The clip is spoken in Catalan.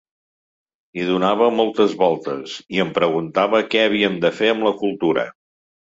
Hi donava moltes voltes i em preguntava què havíem de fer amb la cultura.